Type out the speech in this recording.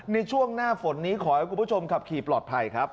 ในช่วงหน้าฝนนี้ขอให้คุณผู้ชมขับขี่ปลอดภัยครับ